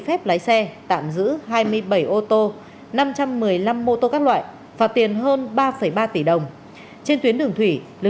hãy chúc ba sống kinh tuyệt và vui vẻ